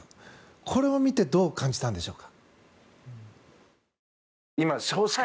これを見てどう感じたんでしょうか。